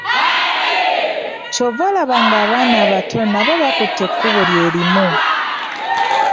Ky'ova olaba nga n'abaana abato nabo bakutte ekkubo lye limu.